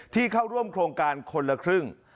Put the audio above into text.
เข้าร่วมโครงการคนละครึ่ง